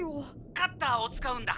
「カッターを使うんだ」。